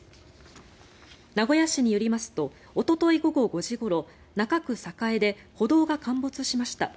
名古屋市によりますとおととい午後５時ごろ中区栄で歩道が陥没しました。